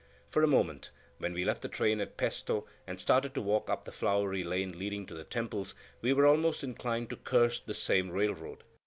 For a moment, when we left the train at "Pesto," and started to walk up the flowery lane leading to the temples, we were almost inclined to curse this same railroad.